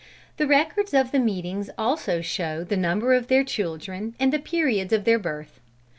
The records of the meetings also show the number of their children, and the periods of their birth.